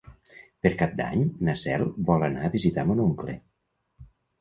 Per Cap d'Any na Cel vol anar a visitar mon oncle.